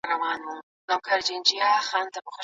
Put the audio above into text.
دولت د ماشومانو د حقونو لپاره کار کوي.